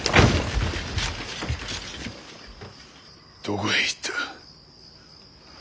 どこへ行った。